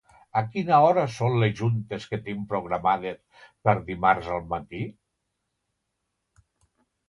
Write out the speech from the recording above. A quina hora són les juntes que tinc programades per dimarts al matí?